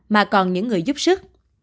mà còn những người giúp sức